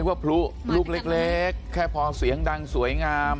ว่าพลุลูกเล็กแค่พอเสียงดังสวยงาม